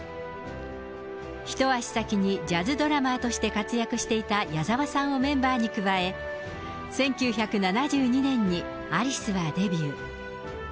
一足先にジャズドラマーとして活躍していた矢沢さんをメンバーに加え、１９７２年にアリスはデビュー。